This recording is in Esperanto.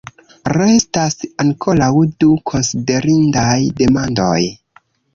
Restas ankoraŭ du konsiderindaj demandoj.